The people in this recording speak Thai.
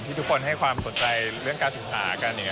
ทุกคนให้ความสนใจเรื่องการศึกษากันอย่างนี้